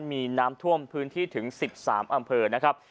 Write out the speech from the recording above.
มีน้ำท่วมพื้นที่ถึง๑๓อำเภอนะครับ